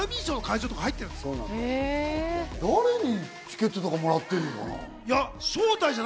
誰にチケットとかもらってるのかな？